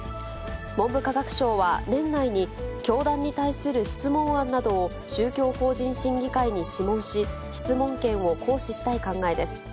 文部科学省は、年内に教団に対する質問案などを、宗教法人審議会に諮問し、質問権を行使したい考えです。